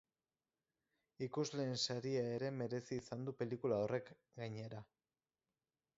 Ikusleen saria ere merezi izan du pelikula horrek, gainera.